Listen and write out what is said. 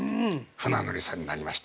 船乗りさんになりました。